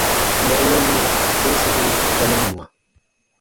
U man wɔnni, sere sekuru ta man mwa.